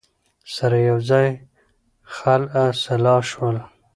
سره یوځای خلع سلاح شول